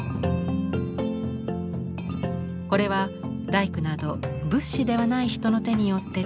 これは大工など仏師ではない人の手によって作られた像。